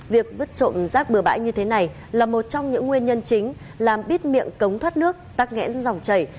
việc vứt trộm rác bừa bãi như thế này là một trong những nguyên nhân chính làm bít miệng cống thoát nước tắc nghẽn dòng chảy